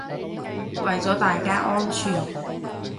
為咗大家安全